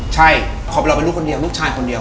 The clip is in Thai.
ใช่ขอบเรละเป็นลูกคนนึงลูกชายคนนึง